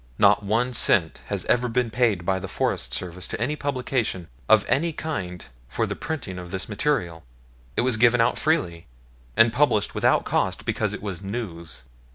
Not one cent has ever been paid by the Forest Service to any publication of any kind for the printing of this material. It was given out freely, and published without cost because it was news.